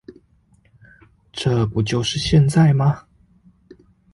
這不就是現在嗎